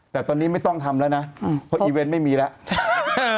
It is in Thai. แต่ตอนนี้ไม่ต้องทำแล้วนะเพราะอีเวนต์ไม่มีแล้ว